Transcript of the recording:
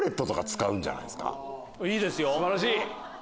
いいですよ！